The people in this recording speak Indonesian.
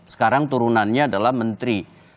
sekarang turunannya adalah menteri